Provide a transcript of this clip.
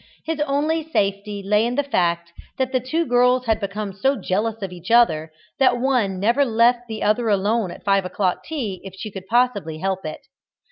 His only safety lay in the fact that the two girls had become so jealous of each other, that one never left the other alone at five o'clock tea if she could possibly help it.